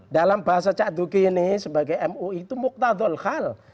dalam bahasa cak duki ini sebagai mu itu muktadul khal